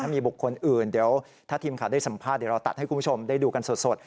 มีบุคคลอื่นเดี๋ยวถ้าทีมข่าวได้สัมภาษณ์เดี๋ยวเราตัดให้คุณผู้ชมได้ดูกันสด